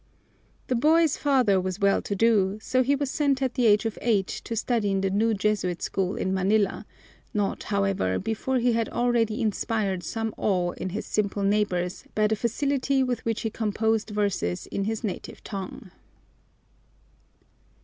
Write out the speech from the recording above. The boy's father was well to do, so he was sent at the age of eight to study in the new Jesuit school in Manila, not however before he had already inspired some awe in his simple neighbors by the facility with which he composed verses in his native tongue.